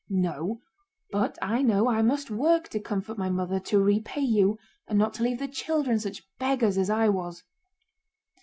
No, but I know I must work to comfort my mother, to repay you, and not to leave the children such beggars as I was."